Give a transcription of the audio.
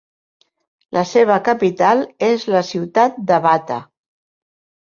La seva capital és la ciutat de Bata.